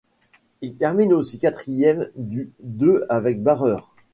Il termine aussi quatrième du deux avec barreur.